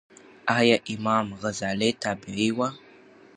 ایا امام غزالې تابعې وه؟